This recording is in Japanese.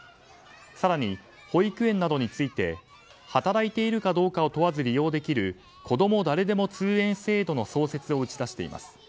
更に保育園などについて働いているかどうかを問わず利用できるこども誰でも通園制度の創設を打ち出しています。